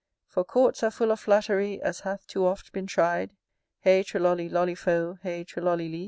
For Courts are full of flattery, As hath too oft been tried Heigh trolollie lollie foe, etc.